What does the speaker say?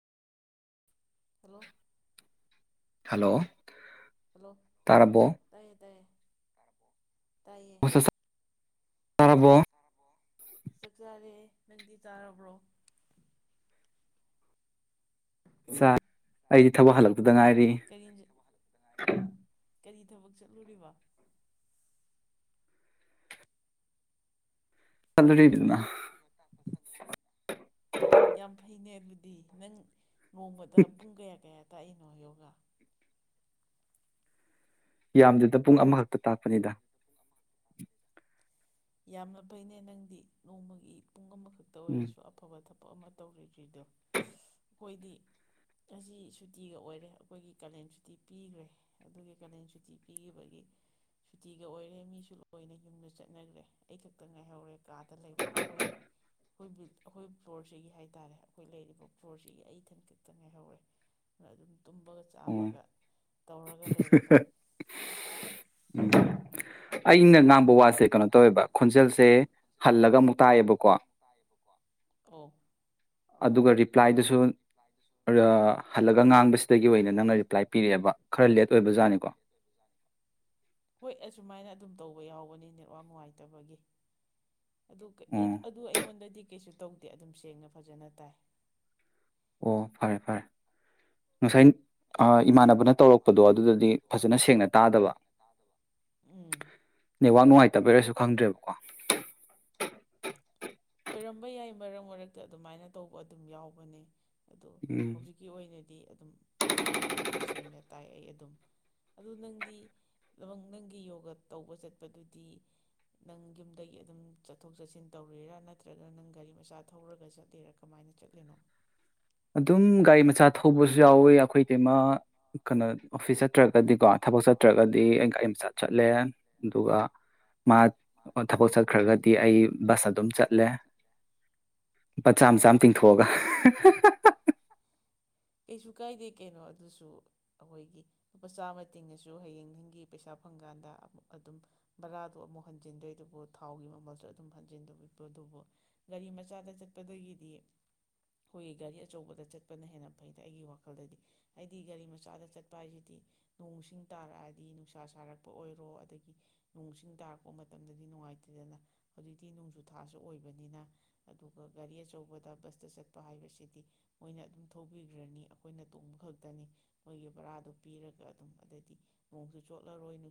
hello hello hello ꯇꯥꯔꯕꯣ ꯇꯥꯏꯌꯦ ꯇꯥꯏꯌꯦ ꯇ ꯔꯔꯕꯣ ꯆꯥꯛꯆꯥꯔꯦ ꯅꯪꯗꯤ ꯆꯥꯔꯕ꯭ꯔꯣ ꯁꯥ ꯑꯩꯗꯤ ꯊꯕꯛ ꯍꯜꯂꯛꯇꯨꯗ ꯉꯥꯏꯔꯤ ꯀꯔꯤ ꯀꯔꯤ ꯊꯕꯛ ꯆꯠꯂꯨꯔꯤꯕ ꯆꯂꯔꯅ ꯌꯥꯝ ꯐꯩꯅꯦ ꯑꯗꯨꯗꯤ ꯅꯪ ꯅꯣꯡꯃꯗ ꯄꯨꯡ ꯀꯌꯥ ꯀꯌꯥ ꯇꯥꯛꯏꯅꯣ ꯌꯣꯒꯥ ꯌꯥꯝꯗꯗ ꯄꯨꯡ ꯑꯃꯈꯛꯇ ꯇꯥꯛꯄꯅꯤꯗ ꯌꯥꯝꯅ ꯐꯩꯅꯦ ꯅꯪꯗꯤ ꯅꯣꯡꯃꯒꯤ ꯄꯨꯡ ꯑꯃꯈꯛꯇ ꯎꯝ ꯑꯣꯏꯔꯁꯨ ꯑꯐꯕ ꯊꯕꯛ ꯑꯃ ꯇꯧꯔꯤꯒꯗꯣ ꯑꯩꯈꯣꯏꯗꯤ ꯉꯁꯤ ꯁꯨꯇꯤꯒ ꯑꯣꯏꯔꯦ ꯑꯩꯈꯣꯏꯒꯤ ꯀꯥꯂꯦꯟ ꯁꯨꯇꯤ ꯄꯤꯒ꯭ꯔꯦ ꯑꯗꯨꯒꯤ ꯀꯥꯂꯦꯟ ꯁꯨꯇꯤ ꯄꯤꯈꯤꯕꯒꯤ ꯁꯨꯇꯤꯒ ꯑꯣꯏꯔꯦ ꯃꯤꯁꯨ ꯂꯣꯏꯅ ꯌꯨꯝꯗ ꯆꯠꯅꯒ꯭ꯔꯦ ꯑꯩ ꯈꯛꯇ ꯉꯥꯏꯍꯧꯔꯦ ꯀꯥꯗ ꯂꯩꯕ ꯑꯈꯣꯏ ꯑꯩꯈꯣꯏ ꯑꯩꯈꯣꯏ ꯐ꯭ꯂꯣꯔꯁꯤꯒꯤ ꯍꯥꯏꯇꯥꯔꯦ ꯑꯩꯈꯣꯏ ꯂꯩꯔꯤꯕ ꯐ꯭ꯂꯣꯔꯁꯤꯒꯤ ꯑꯩ ꯏꯊꯟ ꯈꯛꯇ ꯉꯥꯏꯍꯧꯔꯦ ꯑꯗꯨꯗ ꯑꯗꯨꯝ ꯇꯨꯝꯕꯒ ꯑꯣ ꯆꯥꯕꯒ ꯇꯧꯔꯒ ꯂꯩꯔꯦꯗ ꯑꯩꯅ ꯉꯥ ꯋꯥꯁꯦ ꯀꯩꯅꯣ ꯇꯧꯋꯦꯕ ꯈꯣꯟꯖꯦꯜꯁꯦ ꯍꯜꯂꯒ ꯑꯃꯨꯛ ꯇꯥꯛꯑꯦꯕꯀꯣ ꯑꯧ ꯑꯗꯨꯒ ꯔꯤꯄ꯭ꯂꯥꯏꯗꯨꯁꯨ ꯍꯜꯂꯒ ꯉꯥꯡꯕꯁꯤ ꯇꯒꯤ ꯑꯣꯏꯅ ꯅꯪꯅ ꯔꯤꯄ꯭ꯂꯥꯏ ꯄꯤꯔꯛꯑꯦꯕ ꯂꯦꯠ ꯑꯣꯏꯕꯖꯥꯠꯅꯤꯀꯣ ꯍꯣꯏ ꯑꯁꯨꯃꯥꯏꯅ ꯑꯗꯨꯝ ꯇꯧ ꯌꯥꯎꯕꯅꯤ ꯅꯦꯠꯋꯥꯛ ꯅꯨꯡꯉꯥꯏꯇꯕꯒꯤ ꯑꯗꯨ ꯑꯣ ꯑꯗꯨ ꯑꯩꯉꯣꯟꯗꯗꯤ ꯀꯩꯁꯨ ꯇꯧꯗꯦ ꯑꯗꯨꯝ ꯁꯦꯡꯅ ꯐꯖꯅ ꯇꯥꯏ ꯑꯣ ꯐꯔꯦ ꯐꯔꯦ ꯉꯁꯥꯏ ꯏꯃꯥꯟꯅꯕꯅ ꯇꯧꯔꯛꯄꯗꯣ ꯑꯗꯨꯗꯗꯤ ꯐꯖꯅ ꯁꯦꯡꯅ ꯇꯥꯗꯕ ꯎꯝ ꯅꯦꯠꯋꯥꯛ ꯅꯨꯡꯉꯥꯏꯇꯕꯩꯔꯁꯨ ꯈꯪꯗ꯭ꯔꯦꯕꯀꯣ ꯑꯣꯏꯔꯝꯕ ꯌꯥꯏ ꯃꯔꯛ ꯃꯔꯛꯇ ꯑꯗꯨꯃꯥꯏꯅ ꯇꯧꯕ ꯑꯗꯨꯝ ꯌꯥꯎꯕꯅꯦ ꯑꯗꯣ ꯎꯝ ꯍꯧꯖꯤꯛꯀꯤ ꯑꯣꯏꯅꯗꯤ ꯑꯗꯨꯝ ꯅꯪꯅ ꯉꯥꯡꯉꯤꯗꯨ ꯁꯦꯡꯅ ꯇꯥꯏ ꯑꯩ ꯑꯗꯨꯝ ꯑꯗꯨ ꯅꯪꯗꯤ ꯂꯪ ꯅꯪꯒꯤ ꯌꯣꯒ ꯇꯧꯕ ꯆꯠꯄꯗꯨꯗꯤ ꯅꯪ ꯌꯨꯝꯗꯒꯤ ꯑꯗꯨꯝ ꯆꯠꯊꯣꯛ ꯆꯠꯁꯤꯟ ꯇꯧꯔꯤꯔꯥ ꯅꯠꯇ꯭ꯔꯒ ꯅꯪ ꯒꯥꯔꯤ ꯃꯆꯥ ꯊꯧꯔꯒ ꯆꯠꯂꯦꯔꯥ ꯀꯃꯥꯏꯅ ꯆꯠꯂꯤꯅꯣ ꯑꯗꯨꯝ ꯒꯥꯏꯃ ꯆꯥ ꯊꯧꯕꯁꯨ ꯌꯥꯎꯋꯤ ꯑꯩꯈꯣꯏ ꯀꯩꯃꯥ ꯀꯩꯅꯣ ꯑꯣꯐꯤꯁ ꯆꯠ ꯅꯠꯇ꯭ꯔꯒꯗꯤꯀꯣ ꯊꯕꯛ ꯆꯠꯇ꯭ꯔꯒꯗꯤ ꯑꯩ ꯒꯥꯔꯤ ꯃꯆꯥ ꯆꯠꯂꯦ ꯑꯗꯨꯒ ꯃꯥ ꯊꯕꯛ ꯆꯠꯈ꯭ꯔꯒꯗꯤ ꯑꯩ ꯕꯁ ꯑꯗꯨꯝ ꯆꯠꯂꯦ ꯂꯨꯄꯥ ꯆꯥꯝ ꯆꯥꯝ ꯇꯤꯡꯊꯣꯛꯑꯒ ꯀꯩꯁꯨ ꯀꯥꯏꯗꯦ ꯀꯩꯅꯣ ꯑꯗꯨꯁꯨ ꯑꯈꯣꯏꯒꯤ ꯂꯨꯄꯥ ꯆꯥꯃ ꯇꯤꯡꯉꯁꯨ ꯍꯌꯦꯡ ꯅꯪꯒꯤ ꯄꯩꯁꯥ ꯐꯪꯀꯥꯟꯗ ꯑꯃꯨꯛ ꯑꯗꯨꯝ ꯕꯔꯥꯗꯣ ꯑꯃꯨꯛ ꯍꯟꯖꯤꯟꯗꯣꯏꯗꯨꯕꯨ ꯊꯥꯎꯒꯤ ꯃꯃꯜꯁꯨ ꯑꯗꯨꯝ ꯍꯟꯖꯤꯟꯗꯣ ꯑꯗꯨꯕꯨ ꯒꯥꯔꯤ ꯃꯆꯥꯗ ꯆꯠꯄꯗꯒꯤꯗꯤ ꯑꯩꯈꯣꯏꯒꯤ ꯒꯥꯔꯤ ꯑꯆꯧꯕꯗ ꯆꯠꯄꯅ ꯍꯦꯟꯅ ꯐꯩꯗ ꯑꯩꯒꯤ ꯋꯥꯈꯜꯗꯗꯤ ꯍꯥꯏꯗꯤ ꯒꯥꯔꯤ ꯃꯆꯥꯗ ꯆꯠꯄ ꯍꯥꯏꯁꯤꯗꯤ ꯅꯣꯡꯁꯤꯡ ꯇꯥꯔꯛꯑꯗꯤ ꯅꯨꯡꯁꯥ ꯁꯥꯔꯛꯄ ꯑꯣꯏꯔꯣ ꯑꯗꯒꯤ ꯅꯣꯡꯁꯤꯡ ꯇꯥꯔꯛꯄ ꯂꯥꯛꯄ ꯃꯇꯝꯗꯗꯤ ꯅꯨꯡꯉꯥꯏꯇꯦꯗꯅ ꯍꯧꯖꯤꯛꯇꯤ ꯅꯣꯡꯖꯨ ꯊꯥꯁꯨ ꯑꯣꯏꯕꯅꯤꯅ ꯑꯗꯨꯒ ꯒꯥꯔꯤ ꯑꯆꯧꯕꯗ ꯕꯁꯇ ꯆꯠꯄ ꯍꯥꯏꯕꯁꯤꯗꯤ ꯃꯣꯏꯅ ꯑꯗꯨꯝ ꯊꯧꯕꯤꯈ꯭ꯔꯅꯤ ꯑꯩꯈꯣꯏꯅ ꯇꯣꯡꯕ ꯈꯛꯇꯅꯤ ꯃꯣꯏꯒꯤ ꯕꯔꯥꯗꯣ ꯄꯤꯔꯒ ꯑꯗꯨꯝ ꯑꯗꯩꯗꯤ ꯅꯣꯡꯁꯨ ꯆꯣꯠꯂꯔꯣꯏ